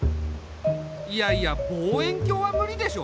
いやいや望遠鏡は無理でしょ。